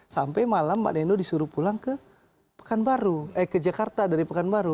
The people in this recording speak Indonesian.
sampai malam mbak neno disuruh pulang ke jakarta dari pekanbaru